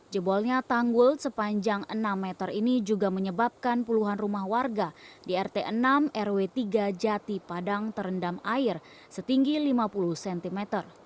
jebolnya tanggul sepanjang enam meter ini juga menyebabkan puluhan rumah warga di rt enam rw tiga jati padang terendam air setinggi lima puluh cm